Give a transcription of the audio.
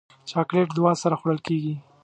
چاکلېټ له دعا سره خوړل کېږي.